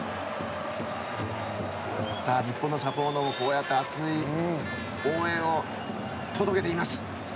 さあ、日本のサポーターもこうやって熱い応援を届けています。